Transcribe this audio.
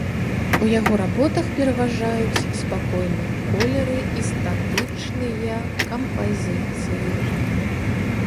У яго работах пераважаюць спакойныя колеры і статычныя кампазіцыі.